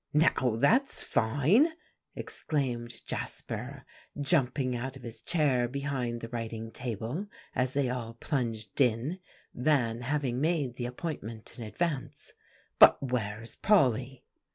"Now, that's fine!" exclaimed Jasper, jumping out of his chair behind the writing table, as they all plunged in, Van having made the appointment in advance; "but where's Polly?"